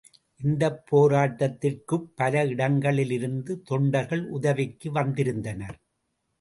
இந்தப் போராட்டத்திற்குப் பல இடங்களிலிருந்து தொண்டர்கள் உதவிக்கு வந்திருந்தனர்.